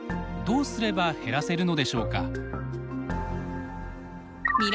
どうすれば減らせるのでしょうか。